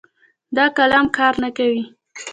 دا قلم کار نه کوي